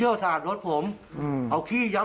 ภาษาแรกที่สุดท้าย